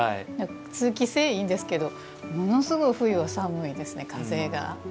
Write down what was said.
通気性いいんですけどものすごい冬は寒いですね。